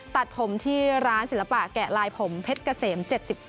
ตัดผมที่ร้านศิลปะแกะลายผมเพชรเกษม๗๙